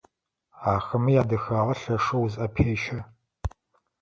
Ахэмэ ядэхагъэ лъэшэу узыӏэпещэ.